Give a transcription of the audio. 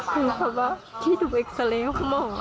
ถือคำว่าที่ถูกเอ็กซาเล้วหมด